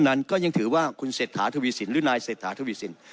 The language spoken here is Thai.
นั้นก็ยังถือว่าคุณเศรษฐาทวีสินหรือนายเศรษฐาทวีสิน